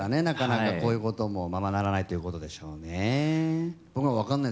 なかなかこういうこともままならないということでしょうね